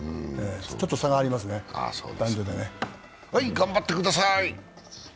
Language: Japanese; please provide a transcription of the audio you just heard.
ちょっと差がありますね、男女でねはい、頑張ってください！